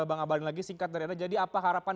bang abalin lagi singkat dari anda jadi apa harapan